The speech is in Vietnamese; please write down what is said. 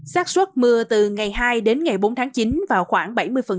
sát xuất mưa từ ngày hai đến ngày bốn tháng chín vào khoảng bảy mươi